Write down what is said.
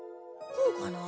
こうかな？